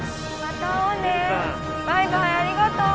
バイバイありがとう。